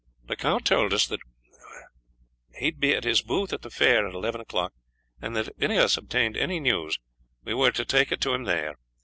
"The count told us that he would be at his booth at the fair at eleven o'clock, and that if any of us obtained any news we were to take it to him there.